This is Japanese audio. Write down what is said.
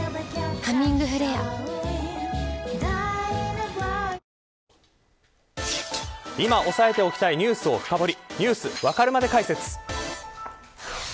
「ハミングフレア」今押さえておきたいニュースを深掘りＮｅｗｓわかるまで解説。